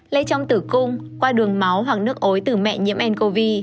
lây trong tử cung qua đường máu hoặc nước ối từ mẹ nhiễm ncov